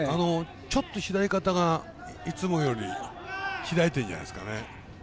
ちょっと左肩がいつもより開いているんじゃないですかね。